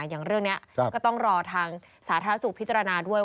อย่างเรื่องนี้ก็ต้องรอทางสาธารณสุขพิจารณาด้วย